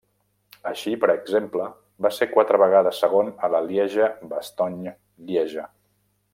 Així, per exemple, va ser quatre vegades segon a la Lieja-Bastogne-Lieja.